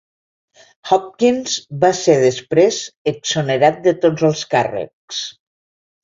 Hopkins va ser després exonerat de tots els càrrecs.